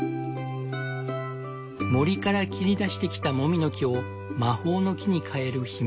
森から切り出してきたもみの木を魔法の木に変える秘密